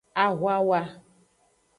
Ahwawa.